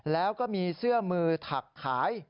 แล้วก็มีเสื้อมือถักขาย